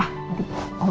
nanti oma dikasih papa